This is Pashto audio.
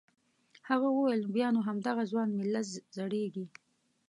هغه وویل بیا نو همدغه ځوان ملت زړیږي.